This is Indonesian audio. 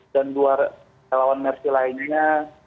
dan dua lawan mersi lainnya